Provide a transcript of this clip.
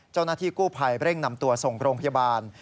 เจ้าหน้าที่กู้ภัยเร่งนำตัวส่งโรงพยาบาล